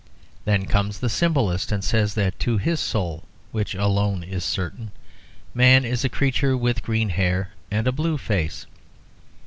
Then comes the Symbolist, and says that to his soul, which alone is certain, man is a creature with green hair and a blue face.